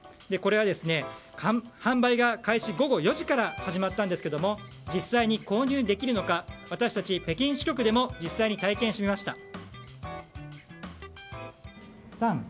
これは販売開始午後４時から始まったんですが実際に購入できるのか私たち、北京支局でも実際に体験してみました。